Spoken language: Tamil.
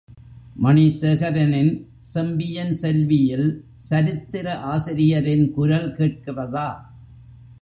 மணிசேகரனின் செம்பியன் செல்வி யில் சரித்திர ஆசிரியரின் குரல் கேட்கிறதா?